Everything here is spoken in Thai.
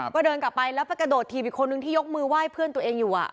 ก็เดินกลับไปแล้วไปกระโดดถีบอีกคนนึงที่ยกมือไหว้เพื่อนตัวเองอยู่